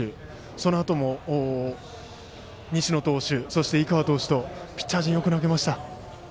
そのあとも西野投手そして井川投手とピッチャー陣よく投げました。